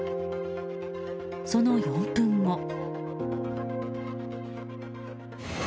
その４分後。